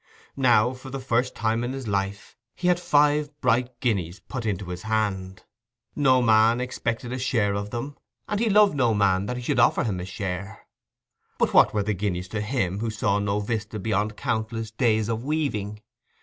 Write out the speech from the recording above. Now, for the first time in his life, he had five bright guineas put into his hand; no man expected a share of them, and he loved no man that he should offer him a share. But what were the guineas to him who saw no vista beyond countless days of weaving?